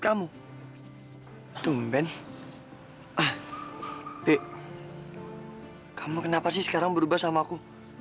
ah pi kamu kenapa sih sekarang berubah sama aku